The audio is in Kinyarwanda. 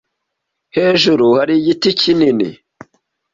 Hejuru, hari igiti kinini.